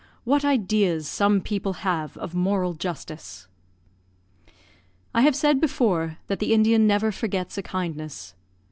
What ideas some people have of moral justice! I have said before that the Indian never forgets a kindness.